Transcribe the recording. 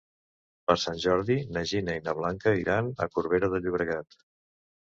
Per Sant Jordi na Gina i na Blanca iran a Corbera de Llobregat.